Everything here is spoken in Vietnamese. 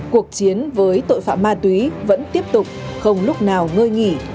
cuộc chiến với tội phạm ma túy vẫn tiếp tục không lúc nào ngơi nghỉ